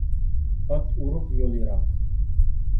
ئات ئورۇق، يول يىراق.